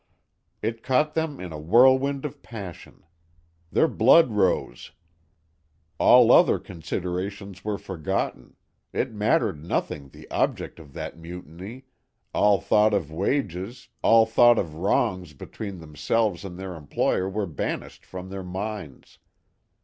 It caught them in a whirlwind of passion. Their blood rose. All other considerations were forgotten, it mattered nothing the object of that mutiny, all thought of wages, all thought of wrongs between themselves and their employer were banished from their minds.